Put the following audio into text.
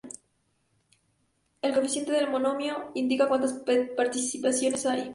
El coeficiente del monomio indica cuántas particiones hay.